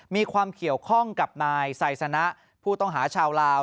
มีความเกี่ยวข้องกับนายไซสนะผู้ต้องหาชาวลาว